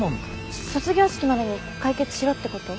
卒業式までに解決しろってこと？